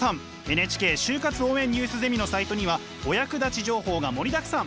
ＮＨＫ「就活応援ニュースゼミ」のサイトにはお役立ち情報が盛りだくさん。